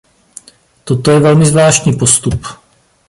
Toto je velmi zvláštní postup.